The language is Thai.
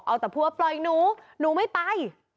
เอาแต่ผัวปล่อยหนูหนูไม่ไป